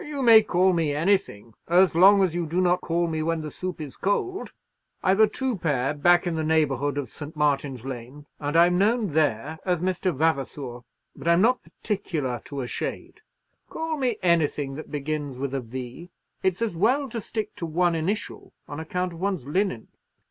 "You may call me anything; as long as you do not call me when the soup is cold. I've a two pair back in the neighbourhood of St. Martin's Lane, and I'm known there as Mr. Vavasor. But I'm not particular to a shade. Call me anything that begins with a V. It's as well to stick to one initial, on account of one's linen."